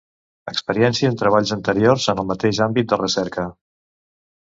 Experiència en treballs anteriors en el mateix àmbit de recerca.